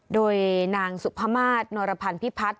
โดยนางสุภามาศนรพันธ์พิพัฒน์